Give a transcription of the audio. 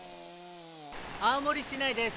青森市内です。